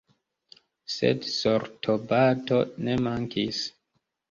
Sed sortobato ne mankis.